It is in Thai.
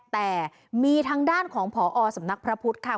แต่มีทางด้านของพอสำนักพระพุทธค่ะ